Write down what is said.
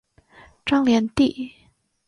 张联第。